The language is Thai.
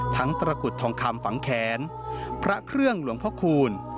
ตระกุดทองคำฝังแขนพระเครื่องหลวงพระคูณ